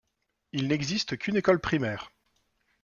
Il n'existe qu'une école primaire.